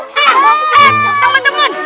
eh eh teman teman